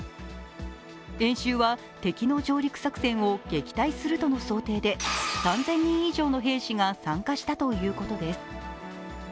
演習は敵の上陸作戦を撃退するとの想定で３０００人以上の兵士が参加したということです。